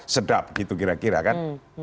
sedap gitu kira kira kan